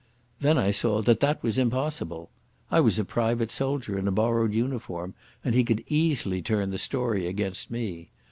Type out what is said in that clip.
Then I saw that that was impossible. I was a private soldier in a borrowed uniform, and he could easily turn the story against me.